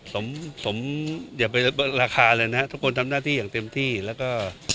สมสมอย่าไปราคาเลยนะฮะทุกคนทำหน้าที่อย่างเต็มที่แล้วก็